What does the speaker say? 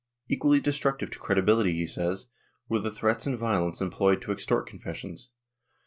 ^ Equally destructive to credibility, he says, were the threats and violence employed to extort confessions.